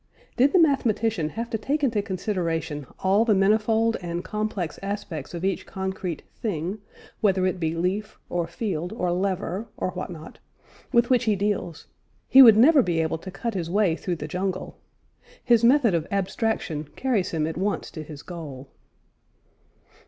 Did the mathematician have to take into consideration all the manifold and complex aspects of each concrete "thing" (whether it be leaf, or field, or lever, or what not) with which he deals, he would never be able to cut his way through the jungle. His method of abstraction carries him at once to his goal.